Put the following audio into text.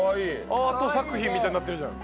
アート作品みたいになってるじゃん。